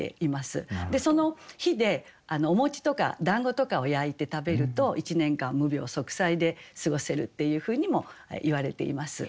でその火でおとかだんごとかを焼いて食べると１年間無病息災で過ごせるっていうふうにもいわれています。